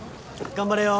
頑張れよ！